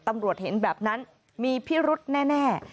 ตำรวจเห็นแบบนั้นมีพิรุธแน่